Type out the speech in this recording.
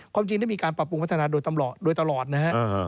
ความจริงได้มีการปรับปรุงพัฒนาโดยตลอดนะฮะ